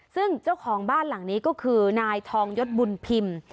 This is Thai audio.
ซึ่งเจ้าของบ้านหลังนี้ก็คือนายทองยศบุญพิมพ์